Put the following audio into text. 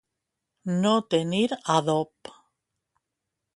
No tenir adob.